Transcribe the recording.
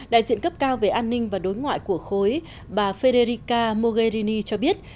đại diện cấp cao về an ninh và đối ngoại của khối bà federica mogherini cho biết